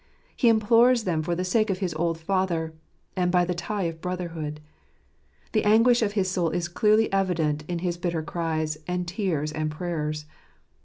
He implores them for the sake of his old father, and by the tie of brotherhood. The anguish of his soul is clearly evident in his bitter cries, and tears, and prayers.